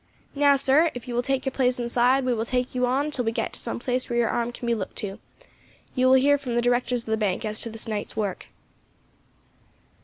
Now, sir, if you will take your place inside we will take you on until we get to some place where your arm can be looked to. You will hear from the directors of the bank as to this night's work."